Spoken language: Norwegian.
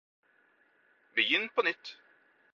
begynn på nytt